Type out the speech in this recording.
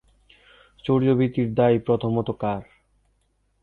চৌর্যবৃত্তির দায় প্রথমত কার?